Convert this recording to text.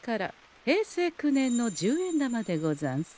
平成９年の十円玉でござんす。